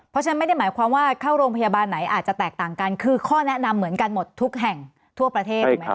เพราะฉะนั้นไม่ได้หมายความว่าเข้าโรงพยาบาลไหนอาจจะแตกต่างกันคือข้อแนะนำเหมือนกันหมดทุกแห่งทั่วประเทศถูกไหมครับ